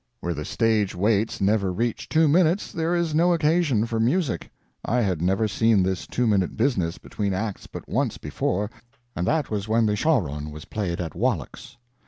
Where the stage waits never reach two minutes there is no occasion for music. I had never seen this two minute business between acts but once before, and that was when the "Shaughraun" was played at Wallack's.